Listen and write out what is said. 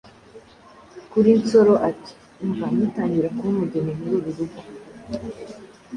kuri Nsoro ati “Umva ngitangira kuba umugeni muri uru rugo,